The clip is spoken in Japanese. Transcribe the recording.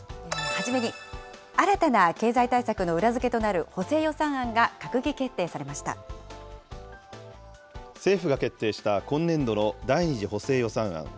初めに、新たな経済対策の裏付けとなる補正予算案が閣議決定政府が決定した今年度の第２次補正予算案。